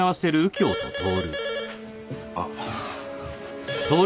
あっ。